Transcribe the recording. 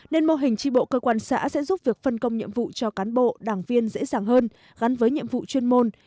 nên mô hình tri bộ cơ quan xã sẽ giúp việc phân công nhiệm vụ cho cán bộ đảng viên dễ dàng hơn gắn với nhiệm vụ chuyên môn